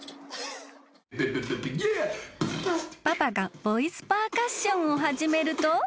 ［パパがボイスパーカッションを始めると］